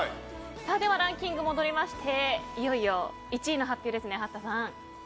ランキングに戻りましていよいよ１位の発表ですね八田さん。